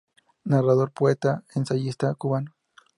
Narrador, poeta y ensayista cubano.